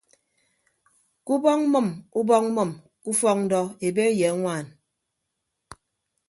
Ke ubọk mmʌm ubọk mmʌm ke ufọk ndọ ebe ye añwaan.